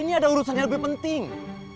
ini ada urusan yang lebih penting